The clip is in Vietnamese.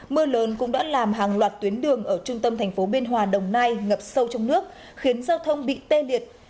mưa lớn cũng đã làm hàng loạt tuyến đường ở trung tâm thành phố biên hòa đồng nai ngập sâu trong nước khiến giao thông bị tê liệt